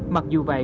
mặc dù vậy